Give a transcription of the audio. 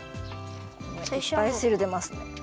いっぱいしるでますね。